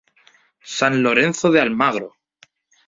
San Lorenzo de Almagro.